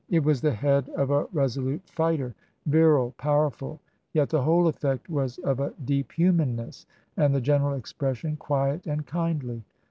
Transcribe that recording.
It was the head of a resolute fighter, — ^virile, powerful, — ^yet the whole effect was of a deep humanness, and the gen eral expression quiet and kindly.